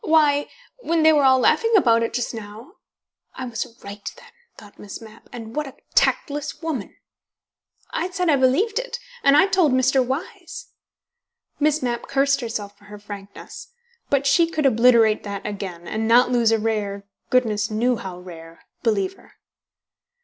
"Why, when they were all laughing about it just now" ("I was right, then," thought Miss Mapp, "and what a tactless woman!"), "I said I believed it. And I told Mr. Wyse." Miss Mapp cursed herself for her frankness. But she could obliterate that again, and not lose a rare (goodness knew how rare!) believer.